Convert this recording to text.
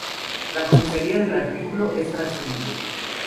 La comisaría del artículo es transferible.